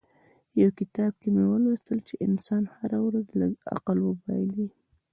يو کتاب کې مې ولوستل چې انسان هره ورځ لږ عقل بايلي.